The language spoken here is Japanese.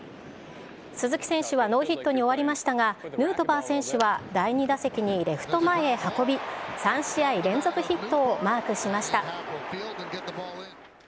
鈴木選手はノーヒットに終わりましたが、ヌートバー選手は第２打席にレフト前へ運び、３試合連続ヒットをマークしました。